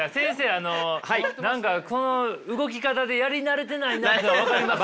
あの何かこの動き方でやり慣れてないなっていうのが分かりますよ。